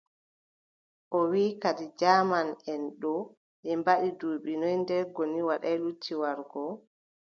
O wii kadi jaamanʼen ɗo ɓe mbaɗi duuɓi noy nde Goni Waɗaay lotti warugo ?